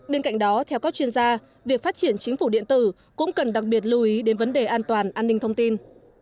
bên cạnh đó theo các chuyên gia việc phát triển chính phủ điện tử cũng cần đặc biệt lưu ý đến vấn đề an toàn an ninh thông tin